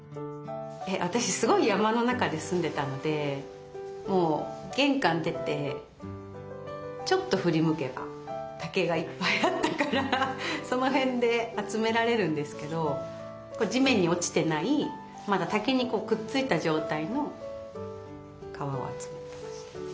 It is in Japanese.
私すごい山の中で住んでたので玄関出てちょっと振り向けば竹がいっぱいあったからその辺で集められるんですけど地面に落ちてないまだ竹にくっついた状態の皮を集めていました。